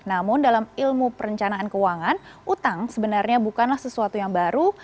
namun dalam ilmu perencanaan keuangan utang sebenarnya bukanlah sesuatu yang baru